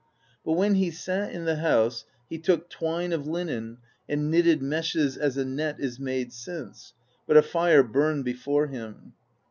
But when he sat in the house, he took twine of linen and knitted meshes as a net is made since; but a fire burned before him.